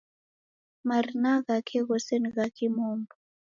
Marina ghake ghose ni gha kimombo